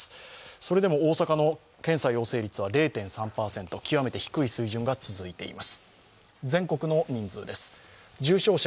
それでも大阪の検査陽性率は０．３％、極めて低い水準が続いています。